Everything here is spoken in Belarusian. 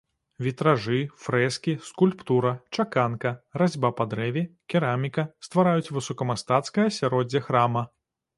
Вітражы, фрэскі, скульптура, чаканка, разьба па дрэве, кераміка ствараюць высокамастацкае асяроддзе храма.